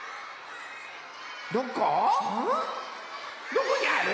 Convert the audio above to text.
どこにある？